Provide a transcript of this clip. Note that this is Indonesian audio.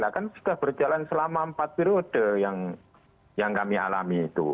kan sudah berjalan selama empat periode yang kami alami itu